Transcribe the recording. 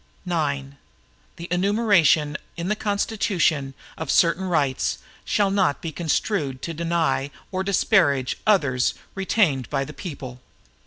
IX The enumeration in the Constitution, of certain rights, shall not be construed to deny or disparage others retained by the people.